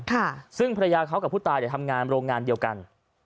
ค่ะซึ่งพระราทเขาและผู้ตายได้ทำงานโรงงานเดียวกัน